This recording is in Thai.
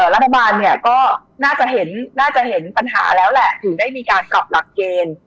รัฐบาลก็น่าจะเห็นปัญหาแล้วแหละถึงได้มีการกลับหลักเกณฑ์